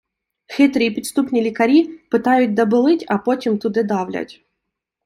Хитрі і підступні лікарі питають де болить, а потім туди давлять